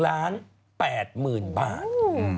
๑ล้าน๘หมื่นบาท